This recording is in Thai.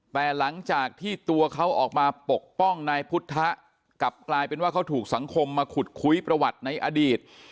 แต่หลังจากที่ตัวเขาออกมาปกป้องนายพุทธกลับกลายเป็นว่าเขาถูกสังคมมาขุดคุยประวัติในอดีต